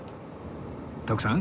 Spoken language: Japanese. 徳さん